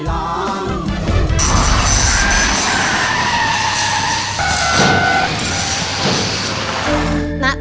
ร้องได้ให้ร้าง